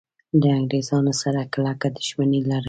له انګریزانو سره کلکه دښمني لري.